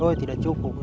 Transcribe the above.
oh tidak cukup